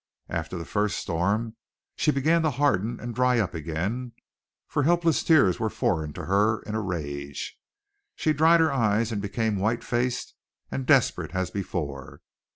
After the first storm she began to harden and dry up again, for helpless tears were foreign to her in a rage. She dried her eyes and became white faced and desperate as before.